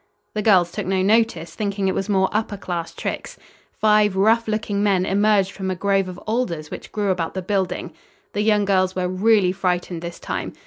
The girls took no notice, thinking it was more upper class tricks. Five rough looking men emerged from a grove of alders which grew about the building. The young girls were really frightened this time.